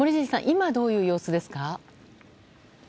今、どういう様子ですか？